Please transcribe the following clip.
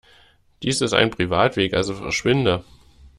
Dies ist ein Privatweg, also verschwinde!